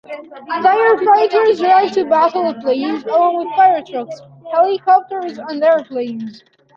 Firefighters arrived to battle the flames along with firetrucks, helicopters and airplanes.